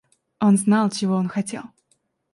Он знал, чего он хотел.